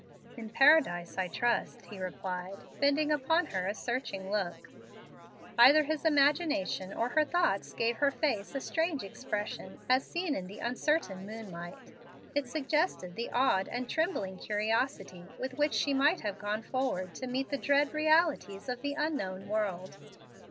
"In paradise, I trust," he replied, bending upon her a searching look. Either his imagination or her thoughts gave her face a strange expression as seen in the uncertain moonlight. It suggested the awed and trembling curiosity with which she might have gone forward to meet the dread realities of the unknown world.